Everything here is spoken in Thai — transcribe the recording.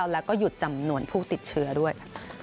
แล้วก็หยุดจำนวนผู้ติดเชื้อด้วย